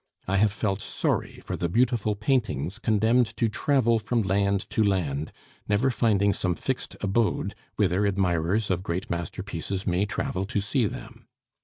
I have felt sorry for the beautiful paintings condemned to travel from land to land, never finding some fixed abode whither admirers of great masterpieces may travel to see them.